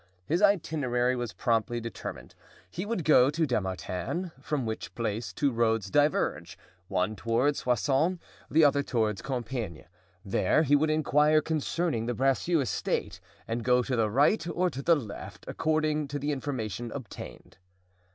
His itinerary was promptly determined: he would go to Dammartin, from which place two roads diverge, one toward Soissons, the other toward Compiegne; there he would inquire concerning the Bracieux estate and go to the right or to the left according to the information obtained.